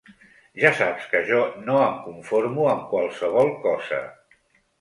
Ja saps que jo no em conformo amb qualsevol cosa.